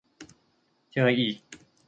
เจออีก